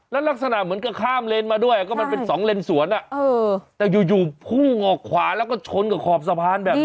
แล้วลักษณะเหมือนกับข้ามเลนมาด้วยก็มันเป็นสองเลนสวนแต่อยู่พุ่งออกขวาแล้วก็ชนกับขอบสะพานแบบนี้